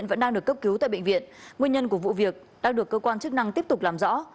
nguyên nhân của vụ việc đã được cơ quan chức năng tiếp tục làm rõ